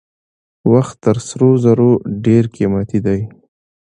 وخت تر سرو زرو ډېر قیمتي دی.